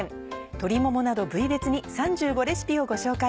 鶏ももなど部位別に３５レシピをご紹介。